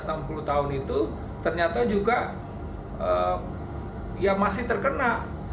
orang orang usia lanjut di atas enam puluh tahun itu ternyata juga ya masih terkena